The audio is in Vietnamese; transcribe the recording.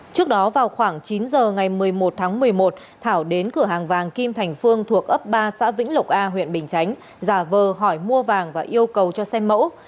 trước đó vào khoảng chín giờ ngày một mươi một tháng một mươi một thảo đến cửa hàng vàng kim thành phương thuộc ấp ba xã vĩnh lộc a huyện bình chánh giả vờ hỏi mua vàng và yêu cầu cho xem mẫu